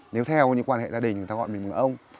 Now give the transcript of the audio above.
nếu theo những quan hệ gia đình người ta gọi mình là ông